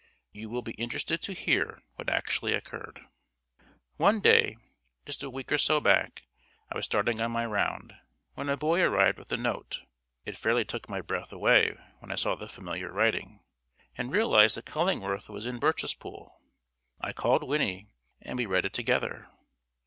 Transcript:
You will be interested to hear what actually occurred. One day, just a week or so back, I was starting on my round, when a boy arrived with a note. It fairly took my breath away when I saw the familiar writing, and realised that Cullingworth was in Birchespool. I called Winnie, and we read it together.